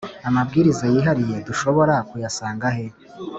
amabwiriza y’ihariye dushobora kuyasanga he